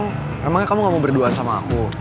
memangnya kamu gak mau berduaan sama aku